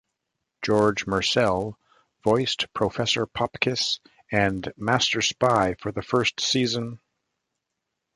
George Murcell voiced Professor Popkiss and Masterspy for the first season.